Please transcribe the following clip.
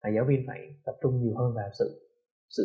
giáo viên phải tập trung nhiều hơn vào sự